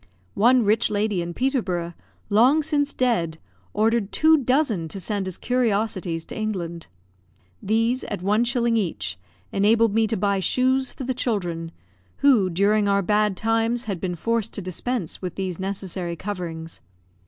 One rich lady in Peterborough, long since dead, ordered two dozen to send as curiosities to England. These, at one shilling each, enabled me to buy shoes for the children, who, during our bad times, had been forced to dispense with these necessary coverings.